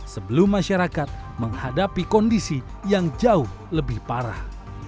sebelum masyarakat menghadapi kondisi yang jauh lebih parah